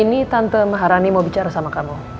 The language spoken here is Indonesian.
ini tante maharani mau bicara sama kamu